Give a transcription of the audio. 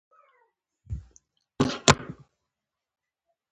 شاه شجاع چې دا خبرې واوریدې اسویلی یې وکیښ.